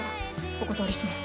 お断りします！